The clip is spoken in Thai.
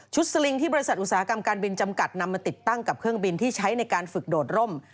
สลิงที่บริษัทอุตสาหกรรมการบินจำกัดนำมาติดตั้งกับเครื่องบินที่ใช้ในการฝึกโดดร่ม